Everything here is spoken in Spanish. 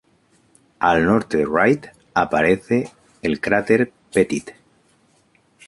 Al norte de Wright aparece el cráter Pettit.